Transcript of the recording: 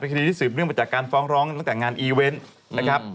คดีที่สืบเนื่องมาจากการฟ้องร้องตั้งแต่งานอีเวนต์นะครับ